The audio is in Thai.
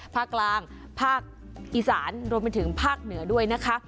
ภาคกลางภาคอีสานรวมไปถึงภาคเหนือด้วยนะคะ